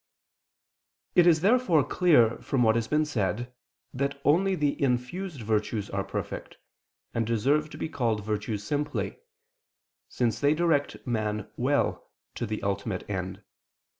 It is therefore clear from what has been said that only the infused virtues are perfect, and deserve to be called virtues simply: since they direct man well to the ultimate end.